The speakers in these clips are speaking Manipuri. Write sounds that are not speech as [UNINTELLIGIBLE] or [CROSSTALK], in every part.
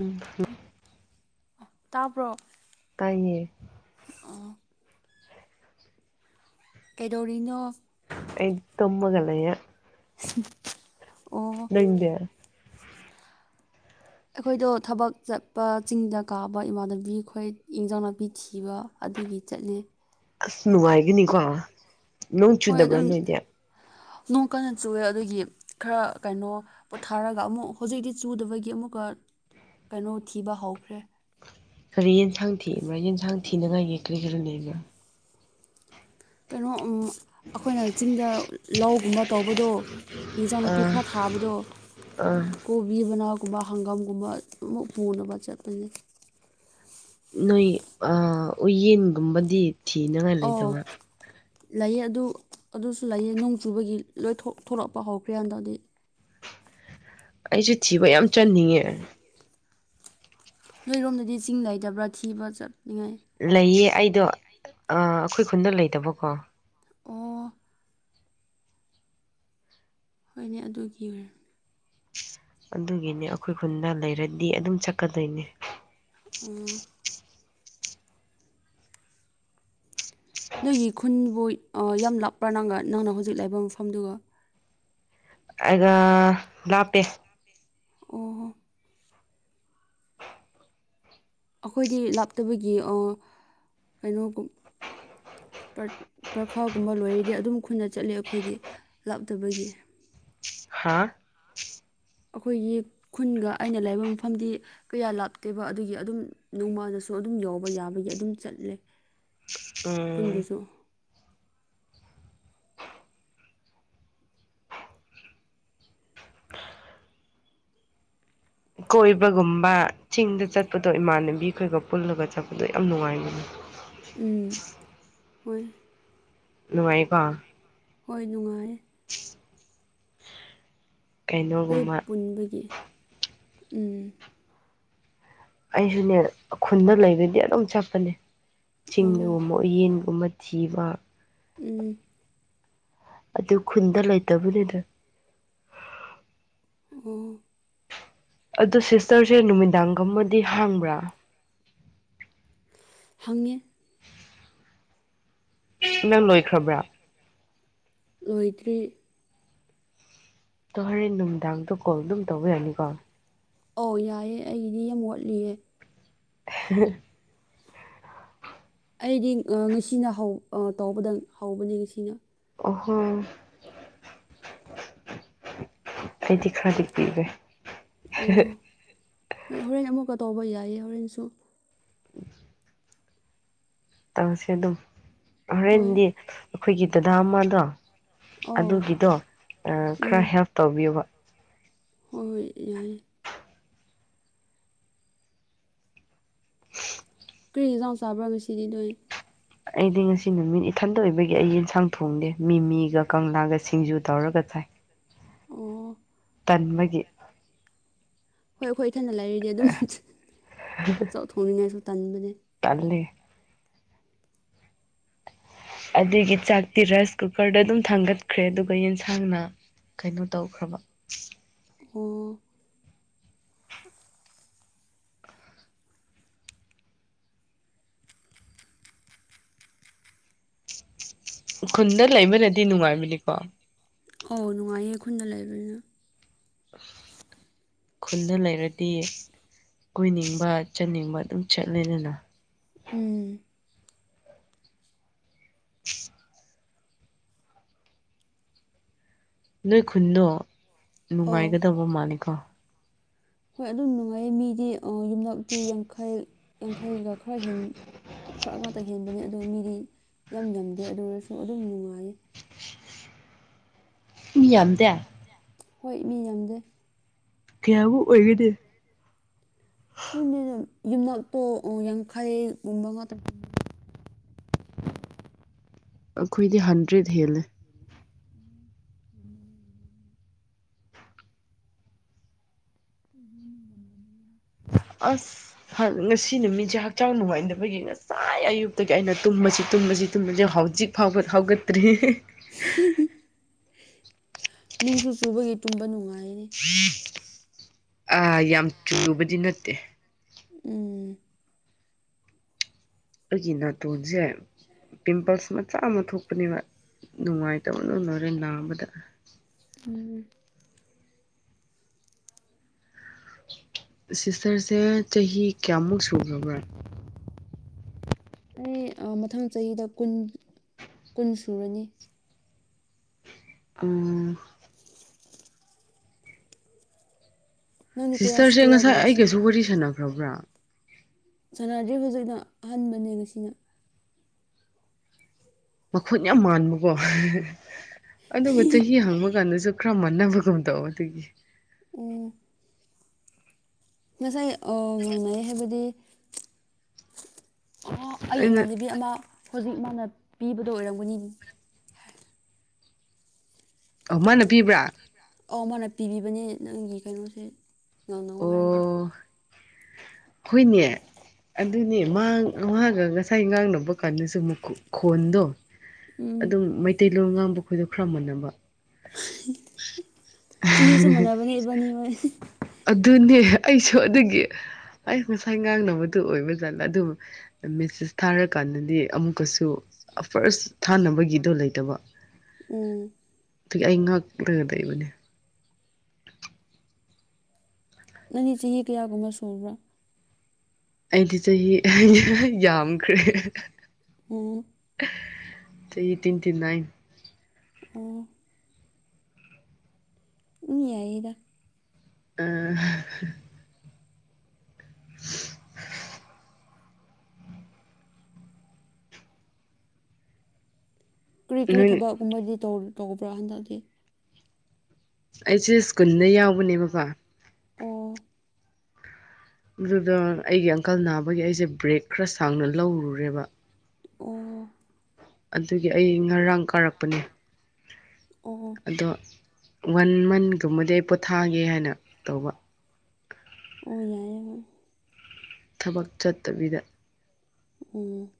ꯎꯝ ꯇꯥꯕ꯭ꯔꯣ ꯇꯥꯏꯌꯦ ꯑꯝ ꯀꯩꯗꯧꯔꯤꯅꯣ ꯑꯩ ꯇꯨꯝꯃꯒ ꯂꯩꯌꯦ [UNINTELLIGIBLE] ꯅꯪꯗꯤ ꯑꯩꯈꯣꯏꯗꯣ ꯊꯕꯛ ꯆꯠꯄ ꯆꯤꯡꯗ ꯀꯥꯕ ꯏꯃꯥꯟꯅꯕꯤ ꯈꯣꯏ ꯏꯟꯖꯥꯡ ꯅꯥꯄꯤ ꯊꯤꯕ ꯑꯗꯨꯒꯤ ꯆꯠꯂꯤ ꯑꯁ ꯅꯨꯡꯉꯥꯏꯒꯅꯤꯀꯣ ꯅꯣꯡ ꯍꯣꯏ ꯆꯨꯗꯕ꯭ꯔꯥ ꯑꯗꯨꯝ ꯅꯣꯏꯗꯤ ꯅꯣꯡ ꯀꯟꯅ ꯆꯨꯑꯦ ꯑꯗꯨꯒꯤ ꯈꯔ ꯀꯩꯅꯣ ꯄꯣꯊꯥꯔꯒ ꯑꯃꯨꯛ ꯍꯧꯖꯤꯛꯇꯤ ꯆꯨꯗꯕꯒꯤ ꯑꯃꯨꯛꯀ ꯀꯩꯅꯣ ꯊꯤꯕ ꯍꯧꯈ꯭ꯔꯦ ꯀꯔꯤ ꯌꯦꯟꯁꯥꯡ ꯊꯤꯕ꯭ꯔꯥ ꯌꯦꯟꯁꯥꯡ ꯊꯤꯅꯉꯥꯏꯒꯤ ꯀꯔꯤ ꯀꯔꯤꯅꯦꯕ ꯀꯩꯅꯣ ꯎꯝ ꯑꯩꯈꯣꯏꯅ ꯆꯤꯡꯗ ꯂꯧꯒꯨꯝꯕ ꯇꯧꯕꯗꯣ ꯌꯦꯟꯖꯥꯡ ꯅꯥꯄꯤ ꯑꯥ ꯈꯔ ꯊꯥꯕꯗꯣ ꯑꯥ ꯀꯣ ꯕꯤꯕꯅꯥꯒꯨꯝꯕ ꯍꯪꯒꯥꯝꯒꯨꯝꯕ ꯑꯃꯨ ꯄꯨꯅꯕ ꯆꯠꯄꯅꯤ ꯅꯣꯏ ꯑꯥ ꯎꯌꯦꯟꯒꯨꯝꯕꯗꯤ ꯊꯤꯅꯉꯥꯏ ꯑꯧ ꯂꯩꯇꯕ ꯂꯩꯌꯦ ꯑꯗꯨ ꯑꯗꯨꯁꯨ ꯂꯩꯌꯦ ꯅꯣꯡ ꯆꯨꯕꯒꯤ ꯂꯣꯏ ꯊꯣꯛ ꯊꯣꯂꯛꯄ ꯍꯧꯈ꯭ꯔꯦ ꯍꯥꯟꯗꯛꯗꯤ ꯑꯩꯁꯨ ꯊꯤꯕ ꯌꯥꯝ ꯆꯠꯅꯤꯡꯉꯦ ꯅꯣꯏꯔꯣꯝꯗꯗꯤ ꯆꯤꯡ ꯂꯩꯇꯕ꯭ꯔꯥ ꯊꯤꯕ ꯆꯠꯅꯤꯡꯉꯥꯏ ꯂꯩꯌꯦ ꯑꯩꯗꯣ ꯑꯥ ꯑꯩꯈꯣꯏ ꯈꯨꯟꯗ ꯂꯩꯇꯕꯀꯣ ꯑꯣ ꯍꯣꯏꯅꯦ ꯑꯗꯨꯒꯤ ꯑꯣꯏꯔ ꯑꯗꯨꯒꯤꯅꯤ ꯑꯩꯈꯣꯏ ꯈꯨꯟꯗ ꯂꯩꯔꯗꯤ ꯑꯗꯨꯝ ꯆꯠꯀꯗꯣꯏꯅꯤ ꯎꯝ ꯅꯣꯏꯒꯤ ꯈꯨꯟꯕꯨ ꯑꯥ ꯌꯥꯝ ꯂꯥꯞꯄ꯭ꯔꯥ ꯅꯪꯒ ꯅꯪꯅ ꯍꯧꯖꯤꯛ ꯂꯩꯕ ꯃꯐꯝꯗꯨꯒ ꯑꯩꯒ ꯂꯥꯞꯄꯦ ꯑꯣꯍꯣ ꯑꯩꯈꯣꯏꯒꯤ ꯂꯥꯞꯇꯕꯒꯤ ꯑꯣ ꯀꯩꯅꯣꯒꯨꯝ ꯄꯔ ꯄꯔꯥꯈꯥꯒꯨꯝꯕ ꯂꯣꯏꯔꯗꯤ ꯑꯗꯨꯝ ꯈꯨꯟꯗ ꯆꯠꯂꯦ ꯑꯩꯈꯣꯏꯗꯤ ꯂꯥꯞꯇꯕꯒꯤ ꯍꯥꯥ ꯑꯩꯈꯣꯏꯒꯤ ꯈꯨꯟꯒ ꯑꯩꯅ ꯂꯩꯕ ꯃꯐꯝꯗꯤ ꯀꯌꯥ ꯂꯥꯞꯇꯦꯕ ꯑꯗꯨꯒꯤ ꯑꯗꯨꯝ ꯅꯣꯡꯃꯗꯁꯨ ꯑꯗꯨꯝ ꯌꯧꯕ ꯌꯥꯕꯒꯤ ꯑꯗꯨꯝ ꯆꯠꯂꯦ ꯎꯝ ꯈꯨꯟꯗꯁꯨ ꯀꯣꯏꯕꯒꯨꯝꯕ ꯆꯤꯡꯗ ꯆꯠꯄꯗꯣ ꯏꯃꯥꯟꯅꯕꯤ ꯈꯣꯏꯒ ꯄꯨꯜꯂꯒ ꯆꯠꯄꯗꯣ ꯌꯥꯝ ꯅꯨꯡꯉꯥꯏꯕꯅꯤ ꯎꯝ ꯍꯣꯏ ꯅꯨꯡꯉꯥꯏꯌꯦꯀꯣ ꯍꯣꯏ ꯅꯨꯡꯉꯥꯏꯌꯦ [UNINTELLIGIBLE] ꯂꯩ ꯀꯩꯅꯣꯒꯨꯝꯕ ꯄꯨꯟꯕꯒꯤ ꯎꯝ ꯑꯩꯁꯨꯅꯦ ꯈꯨꯟꯗ ꯂꯩꯕꯗꯤ ꯑꯗꯨꯝ ꯆꯠꯄꯅꯦ ꯑꯣ ꯆꯤꯡꯗꯒꯨꯝꯕ ꯎꯌꯦꯟꯒꯨꯝꯕ ꯊꯤꯕ ꯎꯝ ꯑꯗꯨ ꯈꯨꯟꯗ ꯂꯩꯇꯕꯅꯤꯗ ꯑꯣ ꯑꯗꯨ ꯁꯤꯁꯇꯔꯁꯦ ꯅꯨꯃꯤꯗꯥꯡꯒꯨꯝꯗꯤ ꯍꯥꯡꯕ꯭ꯔꯥ ꯍꯪꯉꯦ ꯅꯪ ꯂꯣꯏꯈ꯭ꯔꯕ꯭ꯔꯥ ꯂꯣꯏꯗ꯭ꯔꯤ ꯗꯣ ꯍꯣꯔꯦꯟ ꯅꯨꯡꯗꯥꯡꯗꯣ ꯀꯣꯜ ꯑꯗꯨꯝ ꯇꯧꯕꯌꯅꯤꯀꯣ ꯑꯧ ꯌꯥꯏꯌꯦ ꯑꯩꯒꯤꯗꯤ ꯌꯥꯝ ꯋꯥꯠꯂꯤꯌꯦ [UNINTELLIGIBLE] ꯑꯩꯗꯤ ꯉꯁꯤꯅ ꯇꯧꯕꯗ ꯍꯧꯕꯅꯤ ꯉꯁꯤꯅ ꯑꯍꯨꯝ ꯑꯩꯗꯤ ꯈꯔꯗ ꯄꯤꯔ ꯑꯣ ꯍꯣꯏ ꯍꯣꯔꯦꯟ ꯑꯃꯨꯛꯀ ꯇꯧꯕ ꯌꯥꯏꯌꯦ ꯍꯣꯔꯦꯟꯁꯨ ꯇꯧꯁꯦ ꯑꯗꯨꯝ ꯍꯣꯏ ꯍꯣꯔꯦꯟꯗꯤ ꯑꯩꯈꯣꯏꯒꯤ ꯗꯗꯥ ꯑꯃꯗꯣ ꯑꯧ ꯑꯗꯨꯒꯤꯗꯣ ꯎꯝ ꯈꯔ ꯍꯦꯜꯞ ꯇꯧꯕꯤꯌꯨꯕ ꯍꯣꯏ ꯍꯣꯏ ꯌꯥꯏ ꯀꯔꯤ ꯌꯦꯖꯥꯎ ꯆꯥꯕ꯭ꯔꯒ ꯁꯤꯗꯤ ꯅꯣꯏ ꯑꯩꯗꯤ ꯉꯁꯤ ꯅꯨꯃꯤꯠ ꯏꯊꯟꯗ ꯑꯣꯏꯕꯒꯤ ꯑꯩ ꯌꯦꯟꯁꯥꯡ ꯊꯣꯡꯗꯦ ꯃꯤꯃꯤꯒ ꯀꯪꯂꯥꯒ ꯁꯤꯡꯖꯨ ꯇꯧꯔꯒ ꯆꯥꯏ ꯑꯣ ꯇꯟꯕꯒꯤ ꯍꯣꯏ ꯑꯩꯈꯣꯏ ꯏꯊꯅ ꯂꯩꯔꯤꯗꯤ ꯑꯗꯨꯝ ꯆꯥꯛ ꯊꯣꯡꯅꯤꯡꯉꯥꯏꯁꯨ ꯇꯟꯕꯅꯦ ꯇꯟꯂꯦ ꯑꯗꯨꯒꯤ ꯆꯥꯛꯇꯤ ꯔꯥꯏꯁ ꯀꯨꯀꯔꯗ ꯑꯗꯨꯝ ꯊꯥꯡꯒꯠꯈ꯭ꯔꯦ ꯑꯗꯨꯒ ꯌꯦꯟꯁꯥꯡꯅ ꯀꯩꯅꯣ ꯇꯧꯈ꯭ꯔꯕ ꯑꯣ ꯈꯨꯟꯗ ꯂꯩꯕꯅꯗꯤ ꯅꯨꯡꯉꯥꯏꯕꯅꯤꯀꯣ ꯑꯧ ꯅꯨꯡꯉꯥꯏꯌꯦ ꯈꯨꯟꯗ ꯂꯩꯕꯅꯤꯅ [INAUDIBLE] ꯈꯨꯟꯗ ꯂꯩꯔꯗꯤ ꯀꯣꯏꯅꯤꯡꯕ ꯆꯠꯅꯤꯡꯕ ꯑꯗꯨꯝ ꯆꯠꯂꯦꯗꯅ ꯎꯝ [INAUDIBLE] ꯈꯨꯟꯗꯣ ꯑꯧ ꯅꯨꯡꯉꯥꯏꯒꯗꯕ ꯃꯥꯜꯂꯤꯀꯣ ꯍꯣꯏ ꯑꯗꯨꯝ ꯅꯨꯡꯉꯥꯏꯌꯦ ꯃꯤꯗꯤ ꯌꯨꯝꯂꯛꯇꯤ ꯌꯥꯡꯈꯩ ꯌꯥꯡꯈꯩꯒ ꯈꯔ ꯍꯦꯟ ꯈꯔ ꯉꯥꯛꯇ ꯍꯦꯟꯕꯅꯤ ꯑꯗꯨ ꯃꯤꯗꯤ ꯌꯥꯝ ꯌꯥꯝꯗꯦ ꯑꯗꯨ ꯑꯣꯏꯔꯁꯨ ꯑꯗꯨꯝ ꯅꯨꯡꯉꯥꯏ ꯃꯤ ꯌꯥꯝꯗꯦ ꯍꯣꯏ ꯃꯤ ꯌꯥꯝꯗꯦ ꯀꯌꯥꯕꯨ ꯑꯣꯏꯒꯅꯤ ꯈꯪꯗꯦꯅ ꯌꯨꯝꯅꯥꯛꯇꯣ ꯌꯥꯡꯈꯩꯒꯨꯝꯕ ꯉꯥꯛꯇ ꯑꯩꯈꯣꯏꯗꯤ ꯍꯟꯗ꯭ꯔꯦꯗ ꯍꯦꯜꯂꯦ ꯑꯁ ꯉꯁꯤ ꯅꯨꯃꯤꯠꯁꯦ ꯍꯛꯆꯥꯡ ꯅꯨꯡꯉꯥꯏꯕꯒꯤ ꯉꯁꯥꯏ ꯑꯌꯨꯛꯇꯒꯤ ꯑꯩꯅ ꯇꯨꯝꯕꯁꯤ ꯇꯨꯝꯕꯁꯤ ꯇꯨꯝꯕꯁꯤ ꯍꯧꯖꯤꯛ ꯐꯥꯎꯕ ꯐꯥꯎꯒꯠꯇ꯭ꯔꯤ ꯎ [UNINTELLIGIBLE] ꯅꯣꯡꯁꯨ ꯆꯨꯕꯒꯤ ꯇꯨꯝꯕ ꯅꯨꯡꯉꯥꯏꯅꯦ ꯑꯥ ꯌꯥꯝ ꯆꯨꯕꯗꯤ ꯅꯠꯇꯦ ꯎꯝ ꯑꯩꯒꯤ ꯅꯥꯇꯣꯟꯁꯦ ꯄꯤꯝꯄꯜꯁ ꯃꯆꯥ ꯑꯃ ꯊꯣꯛꯄꯅꯦꯕ ꯅꯨꯡꯉꯥꯏꯇꯕꯅ ꯂꯔꯦ ꯅꯥꯕꯗ ꯎꯝ ꯁꯤꯁꯇꯔꯁꯦ ꯆꯍꯤ ꯀꯌꯥꯃꯨꯛ ꯁꯨꯈ꯭ꯔꯕ꯭ꯔꯥ ꯑꯩ ꯃꯊꯪ ꯆꯍꯤꯗ ꯀꯨꯟ ꯀꯨꯟ ꯁꯨꯔꯅꯤ ꯎꯝ ꯅꯪꯗꯤ ꯀꯌꯥ ꯁꯤꯁꯇꯔꯁꯦ ꯉꯁꯥꯏ ꯀꯌꯥꯒꯨꯝꯕ ꯁꯨ ꯑꯩꯒꯥꯁꯨ ꯋꯥꯔꯤ ꯁꯥꯟꯅꯈ꯭ꯔꯕ꯭ꯔꯥ ꯁꯥꯟꯅꯗ꯭꯭ꯔꯤ ꯍꯨꯖꯤꯛꯅꯥ ꯑꯍꯟꯕꯅꯦ ꯉꯁꯤꯅ ꯃꯈꯣꯟ ꯌꯥꯝ ꯃꯥꯟꯕꯀꯣ ꯑꯗꯨꯒ ꯆꯍꯤ ꯍꯪꯕꯥ ꯀꯥꯟꯗꯁꯨ ꯈꯔ ꯃꯥꯟꯅꯕꯒꯨꯝ ꯇꯧ ꯑꯗꯨꯒꯤ ꯎꯝ ꯉꯁꯥꯏ ꯑꯥ ꯃꯥꯟꯅꯩ ꯍꯥꯏꯕꯗꯤ ꯑꯩ ꯑꯩꯅ ꯏꯃꯥꯟꯅꯕꯤ ꯑꯃꯥ ꯍꯧꯖꯤꯛ ꯃꯥꯅ ꯄꯤꯕꯗꯣ ꯑꯣꯏꯔꯝꯒꯅꯤ ꯑꯧ ꯃꯥꯅ ꯄꯤꯕ꯭ꯔꯥ ꯑꯧ ꯃꯥꯅ ꯄꯤꯕꯤꯕꯅꯦ ꯅꯪꯒꯤ ꯀꯩꯅꯣꯁꯦ ꯉꯥꯡꯅꯧ ꯍꯥꯏꯔꯒ ꯑꯣ ꯍꯣꯏꯅꯦ ꯑꯗꯨꯅꯦ ꯃꯥ ꯃꯥꯒꯥ ꯉꯁꯥꯏ ꯉꯥꯡꯅꯕ ꯀꯥꯟꯗꯁꯨ ꯈꯣꯟꯗꯣ ꯎꯝ ꯑꯗꯨꯝ ꯃꯩꯇꯩꯂꯣꯟ ꯉꯥꯡꯕ ꯈꯣꯏꯗꯣ ꯈꯔꯥ ꯃꯥꯟꯅꯕ ꯆꯍꯤꯁꯨ ꯃꯥꯟꯅꯕꯅꯦ ꯏꯕꯅꯤ ꯍꯣꯏ ꯑꯗꯨꯅꯦ ꯑꯩꯁꯨ ꯑꯗꯨꯒꯤ ꯑꯩ ꯉꯁꯥꯏ ꯉꯥꯡꯅꯕꯗꯨ ꯑꯣꯏꯕꯖꯥꯠꯂꯥ ꯑꯗꯨꯕꯨ ꯃꯦꯁꯦꯁ ꯊꯥꯔꯀꯥꯟꯗꯗꯤ ꯑꯃꯨꯛꯀꯥꯁꯨ ꯐꯥꯔꯁ ꯊꯥꯅꯕꯒꯤꯗꯣ ꯂꯩꯇꯕ ꯎꯝ ꯑꯗꯨꯒꯤ ꯑꯩ ꯉꯛꯂꯥꯒ ꯂꯩꯕꯅꯦ [INAUDIBLE] ꯅꯪꯗꯤ ꯆꯥꯍꯤ ꯀꯌꯥꯒꯨꯝꯕ ꯁꯨꯔꯕ꯭ꯔꯥ ꯑꯩꯗꯤ ꯆꯥꯍꯤ ꯌꯥꯝꯈ꯭ꯔꯦ ꯎꯝ ꯆꯥꯍꯤ ꯇꯨꯋꯦꯟꯇꯤ ꯅꯥꯏꯟ ꯎꯝ ꯎꯝ ꯌꯥꯏꯌꯦ ꯎꯝ [UNINTELLIGIBLE] ꯀꯔꯤ ꯀꯔꯤ ꯅꯣꯏ ꯊꯕꯛꯀꯨꯝꯕꯗꯤ ꯇꯧꯕ꯭ꯔꯥ ꯍꯟꯗꯛꯇꯤ ꯑꯩꯁꯦ ꯁ꯭ꯀꯨꯜꯗꯥ ꯌꯥꯎꯕꯅꯦꯕꯀꯣ ꯑꯣ ꯑꯗꯨꯒ ꯑꯩꯒꯤ ꯑꯪꯀꯜ ꯅꯥꯕꯒꯤ ꯑꯩꯁꯦ ꯕ꯭ꯔꯦꯛ ꯈꯔ ꯁꯥꯡꯅ ꯂꯧꯔꯨꯔꯦꯕ ꯑꯣ ꯑꯗꯨꯒꯤ ꯑꯩ ꯉꯔꯥꯡ ꯀꯥꯔꯛꯄꯅꯦ ꯑꯣ ꯑꯗꯣ ꯋꯥꯟ ꯃꯟꯒꯨꯝꯕꯗꯤ ꯑꯩ ꯄꯣꯊꯥꯒꯦ ꯍꯥꯏꯅ ꯇꯧꯕ ꯑꯣ ꯌꯥꯏ ꯊꯕꯛ ꯆꯠꯇꯥꯕꯤꯗ ꯎꯝ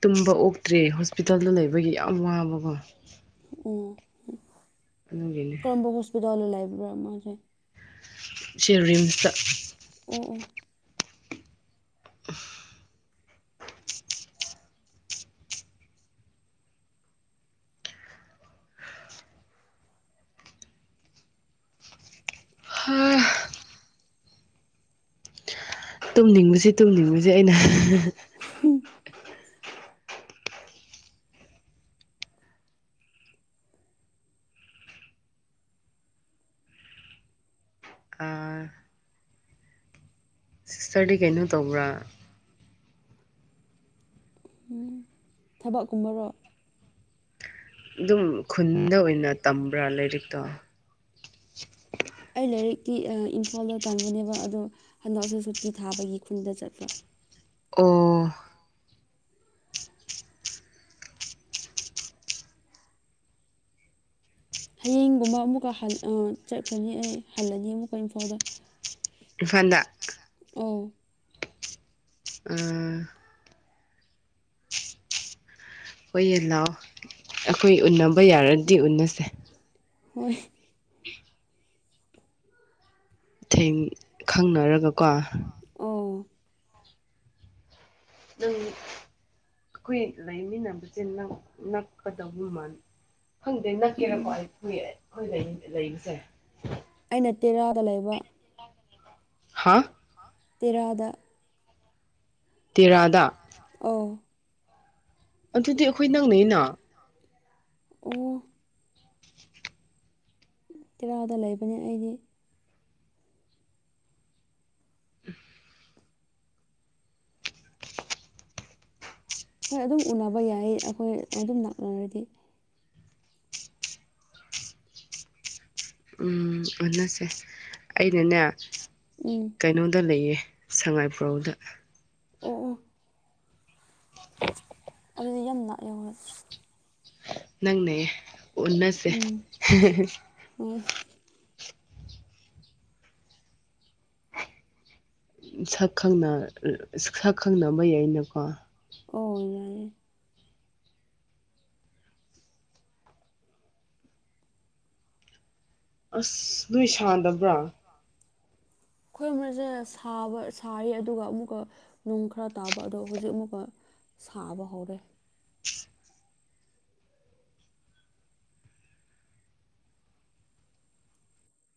ꯇꯨꯝꯕ ꯑꯣꯛꯇ꯭ꯔꯤ ꯍꯣꯁꯄꯤꯇꯥꯜꯗ ꯂꯩꯕꯒꯤ ꯌꯥꯝ ꯋꯥꯕꯀꯣ ꯎꯝ ꯑꯗꯨꯒꯤꯅꯦ ꯀꯔꯝꯕ ꯍꯣꯁꯄꯤꯇꯥꯜꯗ ꯂꯩꯕꯅꯣ ꯃꯥꯗꯤ ꯁꯤ ꯔꯤꯝꯁꯇꯥ ꯑꯣ [UNINTELLIGIBLE] ꯍꯥꯥ ꯇꯨꯝꯅꯤꯡꯕꯁꯤ ꯇꯨꯝꯅꯤꯡꯕꯁꯤ ꯑꯩꯅ ꯍꯨꯝ ꯑꯥ ꯁꯤꯁꯇꯔꯗꯤ ꯀꯩꯅꯣ ꯇꯧꯕ꯭ꯔꯥ ꯊꯕꯛꯀꯨꯝꯕꯔꯣ ꯑꯗꯨꯝ ꯈꯨꯟꯗ ꯑꯣꯏꯅ ꯇꯝꯕ꯭ꯔꯥ ꯂꯥꯏꯔꯤꯛꯇꯣ ꯑꯩ ꯂꯥꯏꯔꯤꯛꯇꯤ ꯏꯝꯐꯥꯜꯗ ꯇꯝꯕꯅꯦꯕ ꯑꯗꯣ ꯍꯟꯗꯛꯁꯦ ꯁꯨꯇꯤ ꯊꯥꯕꯒꯤ ꯈꯨꯟꯗ ꯆꯠꯄ ꯑꫭ ꯍꯌꯦꯡꯒꯨꯝꯕ ꯑꯃꯨꯛꯀ ꯆꯠꯈ꯭ꯔꯅꯤ ꯑꯩ ꯍꯜꯂꯅꯤ ꯑꯃꯨꯛꯀ ꯏꯝꯐꯥꯜꯗ ꯏꯝꯐꯜꯗ ꯑꯣ ꯎꯝ ꯍꯣꯏꯌꯦꯟ ꯂꯥꯎ ꯑꯩꯈꯣꯏ ꯎꯟꯅꯕ ꯌꯥꯔꯗꯤ ꯎꯟꯅꯁꯦ ꯍꯣꯏ [INAUDIBLE] ꯊꯦꯡ ꯈꯪꯅꯔꯒꯀꯣ ꯑꯣ ꯎꯝ ꯑꯩꯈꯣꯏ ꯂꯩꯃꯤꯟꯅꯕꯁꯦ ꯅꯛꯀꯗꯕꯃꯜ ꯈꯪꯗꯦ ꯅꯛꯀꯦꯔꯀꯣ ꯎꯝ ꯑꯩꯨꯏ ꯑꯩꯈꯣꯏ ꯂꯩꯕꯁꯦ ꯑꯩꯅ ꯇꯦꯔꯥꯗ ꯂꯩꯕ ꯍꯥ ꯇꯦꯔꯥꯗ ꯇꯦꯔꯥꯗ ꯑꯣ ꯑꯗꯨꯗꯤ ꯑꯩꯈꯣꯏ ꯅꯪꯅꯩꯌꯦꯅ ꯑꯣ ꯇꯦꯔꯥꯗ ꯂꯩꯕꯅꯦ ꯑꯩꯗꯤ ꯍꯣꯏ ꯑꯗꯨꯝ ꯎꯅꯕ ꯌꯥꯏ ꯑꯩꯈꯣꯏ ꯑꯗꯨꯝ ꯅꯛꯅꯔꯗꯤ ꯎꯝ ꯎꯟꯅꯁꯦ ꯑꯩꯅꯅꯦ ꯎꯝ ꯀꯩꯅꯣꯗ ꯂꯩꯌꯦ ꯁꯉꯥꯏꯄꯨꯔꯧꯗ ꯑꯣ ꯑꯣ ꯑꯗꯨꯗꯤ ꯌꯥꯝ ꯅꯛꯑꯦ ꯍꯣꯏ ꯅꯪꯅꯦꯌꯦ ꯎꯝ ꯑꯣ ꯁꯛꯈꯪꯅ ꯁꯛ ꯈꯪꯅꯕ ꯌꯥꯩꯅꯀꯣ ꯑꯣ ꯌꯥꯏ ꯑꯁ ꯅꯣꯏ ꯁꯥꯟꯗꯕ꯭ꯔꯥ ꯑꯩꯈꯣꯏ ꯃꯁꯦ ꯁꯥꯕ ꯁꯥꯔꯤ ꯑꯗꯨꯒ ꯑꯃꯨꯛꯀ ꯅꯨꯡ ꯈꯔ ꯇꯥꯕ ꯑꯗꯣ ꯍꯧꯖꯤꯛ ꯑꯃꯨꯛꯀ ꯁꯥꯕ ꯍꯧꯔꯦ